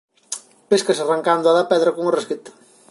Péscase arrancándoa da pedra cunha rasqueta.